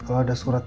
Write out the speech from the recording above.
kalau ada suratnya